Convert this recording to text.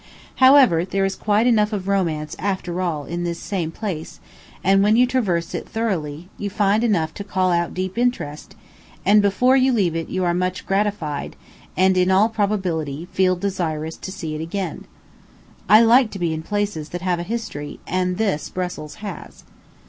However, there is quite enough of romance, after all, in this same place; and when you traverse it thoroughly, you find enough to call out deep interest; and before you leave it you are much gratified, and, in all probability, feel desirous to see it again. I like to be in places that have a history; and this Brussels has.